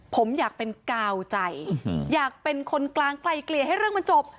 ผมอยากเป็นกาวใจอยากเป็นคนกลางไกลเกลี่ยให้เรื่องมันจบ